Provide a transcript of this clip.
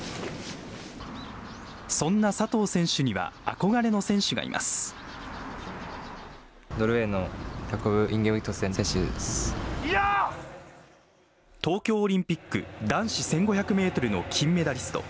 そんな佐藤選手には東京オリンピック男子１５００メートルの金メダリスト。